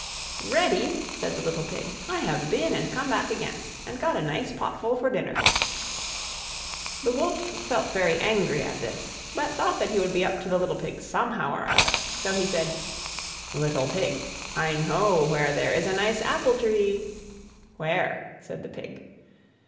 "Ready!" said the little Pig, "I have been and come back again, and got a nice pot full for dinner." The Wolf felt very angry at this, but thought that he would be up to the little Pig somehow or other; so he said, "Little Pig, I know where there is a nice apple tree." "Where?" said the Pig.